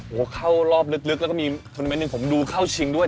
โอ้โหเข้ารอบลึกแล้วก็มีโทรเมนต์หนึ่งผมดูเข้าชิงด้วย